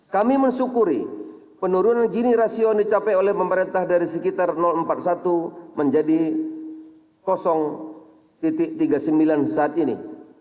kami mensyukuri penurunan gini rasio yang dicapai oleh pemerintah dari sekitar empat puluh satu menjadi tiga puluh sembilan saat ini